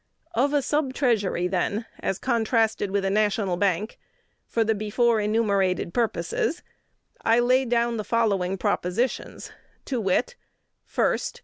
"Of the Sub Treasury, then, as contrasted with a National Bank, for the before enumerated purposes, I lay down the following propositions, to wit: "1st.